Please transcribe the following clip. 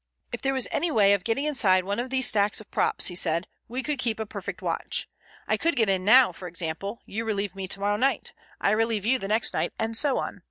"If there was any way of getting inside one of these stacks of props," he said, "we could keep a perfect watch. I could get in now, for example; you relieve me tomorrow night; I relieve you the next night, and so on.